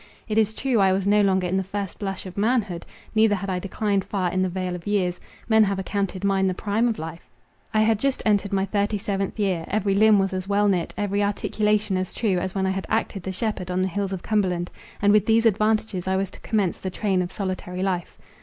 It is true, I was no longer in the first blush of manhood; neither had I declined far in the vale of years—men have accounted mine the prime of life: I had just entered my thirty seventh year; every limb was as well knit, every articulation as true, as when I had acted the shepherd on the hills of Cumberland; and with these advantages I was to commence the train of solitary life.